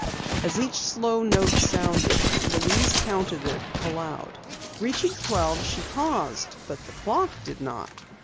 As each slow note sounded, Louise counted it aloud. Reaching twelve, she paused, but the clock did not.